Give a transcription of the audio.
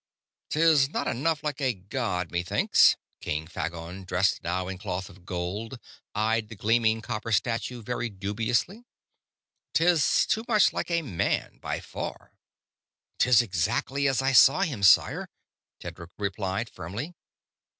"'Tis not enough like a god, methinks." King Phagon, dressed now in cloth of gold, eyed the gleaming copper statue very dubiously. "'Tis too much like a man, by far." "'Tis exactly as I saw him, sire," Tedric replied, firmly.